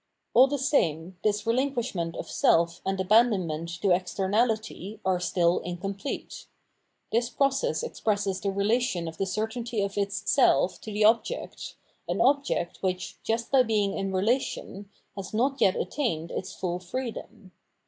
AE .the same, this relinquishment of self and aban donment to externality are still incomplete. This process expresses the relation of the certainty of its self to the object, an object which, just by being in relation, has not yet attained its full freedom.